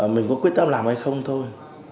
mình có quyết tâm làm hay không thôi